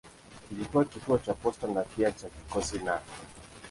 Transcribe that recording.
Ilikuwa kituo cha posta na pia cha kikosi na.